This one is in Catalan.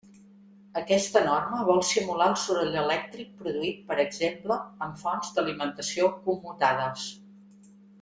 Aquesta norma vol simular el soroll elèctric produït per exemple en fonts d'alimentació commutades.